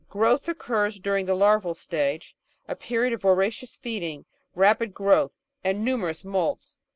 Growth occurs during the larval stage, a period of voracious feeding, rapid growth, and nimierous moults.